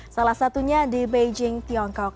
salah satunya di beijing tiongkok